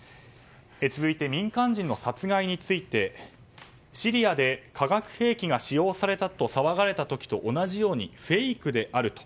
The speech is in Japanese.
続いて、民間人の殺害についてシリアで化学兵器が使用されたと騒がれた時と同じようにフェイクであると。